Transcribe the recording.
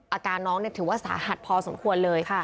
อาการน้องถือว่าสาหัสพอสมควรเลยค่ะ